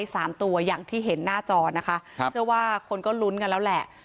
สามตัวอย่างที่เห็นหน้าจอนะคะครับเชื่อว่าคนก็ลุ้นกันแล้วแหละ